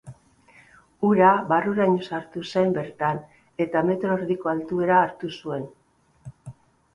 Ura barruraino sartu zen bertan eta metro erdiko altuera hartu zuen.